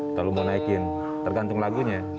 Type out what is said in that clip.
atau lo mau naikin tergantung lagunya